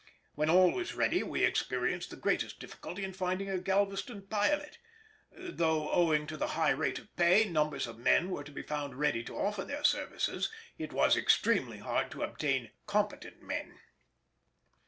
When all was ready we experienced the greatest difficulty in finding a Galveston pilot. Though, owing to the high rate of pay, numbers of men were to be found ready to offer their services, it was extremely hard to obtain competent men.